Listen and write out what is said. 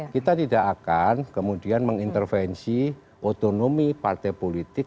kita tidak akan kemudian mengintervensi otonomi partai politik